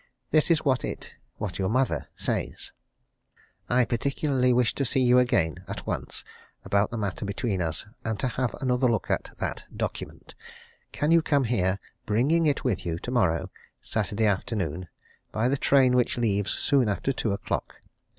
This is what it what your mother says: "I particularly wish to see you again, at once, about the matter between us and to have another look at that document. Can you come here, bringing it with you, tomorrow, Saturday afternoon, by the train which leaves soon after two o'clock?